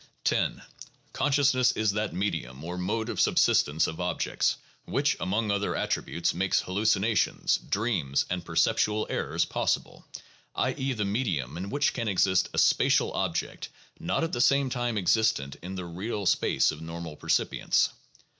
(Cf. 20.) 10. Consciousness is that medium, or mode of subsistence of ob jects, which (among other attributes) makes hallucinations, dreams, and perceptual errors possible — i. e., the medium in which can exist a spatial object not at the same time existent in the "real" space of normal percipients.